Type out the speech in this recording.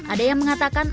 ada yang mengatakan